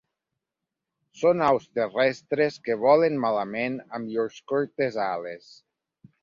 Són aus terrestres que volen malament amb llurs curtes ales.